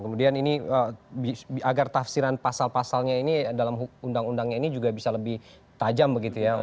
kemudian ini agar tafsiran pasal pasalnya ini dalam undang undangnya ini juga bisa lebih tajam begitu ya